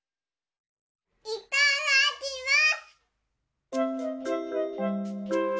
いただきます！